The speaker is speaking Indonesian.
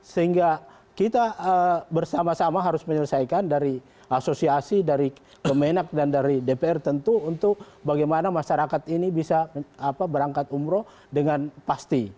sehingga kita bersama sama harus menyelesaikan dari asosiasi dari kemenak dan dari dpr tentu untuk bagaimana masyarakat ini bisa berangkat umroh dengan pasti